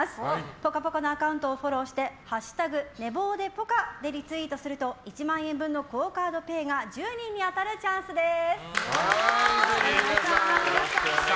「ぽかぽか」のアカウントをフォローして「＃寝坊でポカ」でリツイートすると１万円のＱＵＯカードＰａｙが１０人に当たるチャンスです。